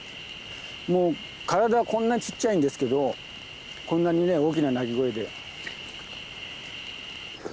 もう体こんなちっちゃいんですけどこんなにね大きな鳴き声で。